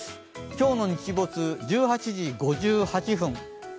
今日の日没、１８時５８分。